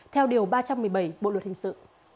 theo điều ba trăm một mươi bảy bộ luật hình sự